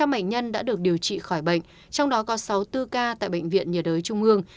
năm trăm linh bệnh nhân đã được điều trị khỏi bệnh trong đó có sáu mươi bốn k tại bệnh viện nhà đới trung ương